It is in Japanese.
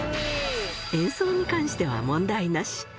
演奏に関しては問題なし。